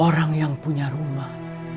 orang yang punya rumah